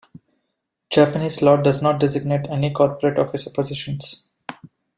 Japanese law does not designate any corporate officer positions.